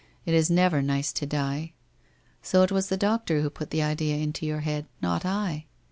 It is never nice to die. So it was the doctor who put the idea into your head, not I